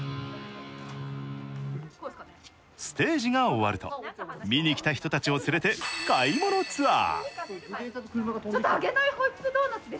ステージが終わると、見に来た人たちを連れて買い物ツアー。